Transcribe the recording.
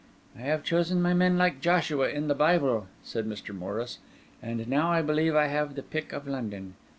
"I have chosen my men like Joshua in the Bible," said Mr. Morris, "and I now believe I have the pick of London.